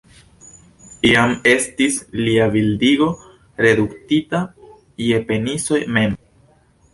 Iam estis lia bildigo reduktita je peniso mem.